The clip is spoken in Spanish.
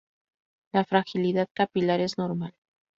La fragilidad capilar es normal.